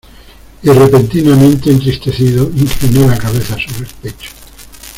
y repentinamente entristecido, incliné la cabeza sobre el pecho.